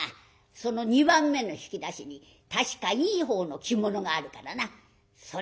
その２番目の引き出しに確かいいほうの着物があるからなそれを着ていきな。